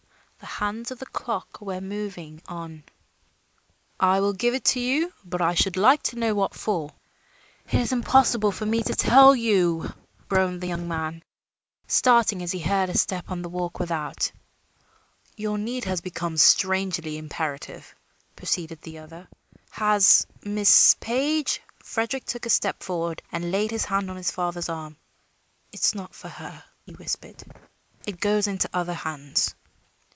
The hands of the clock were moving on. "I will give it to you; but I should like to know what for." "It is impossible for me to tell you," groaned the young man, starting as he heard a step on the walk without. "Your need has become strangely imperative," proceeded the other. "Has Miss Page " Frederick took a step forward and laid his hand on his father's arm. "It is not for her," he whispered. "It goes into other hands."